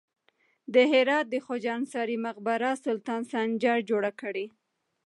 د هرات د خواجه انصاري مقبره د سلطان سنجر جوړه کړې